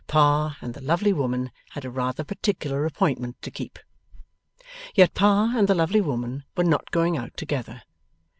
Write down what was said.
Pa and the lovely woman had a rather particular appointment to keep. Yet Pa and the lovely woman were not going out together.